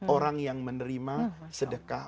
orang yang menerima sedekah